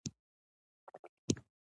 چې چې له وړ وړ فرصتونو څخه ګته واخلي